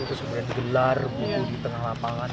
terus kemudian digelar buku di tengah lapangan